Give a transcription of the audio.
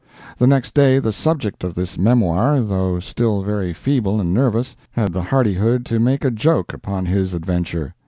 The next day the subject of this memoir, though still very feeble and nervous, had the hardihood to make a joke upon his adventure.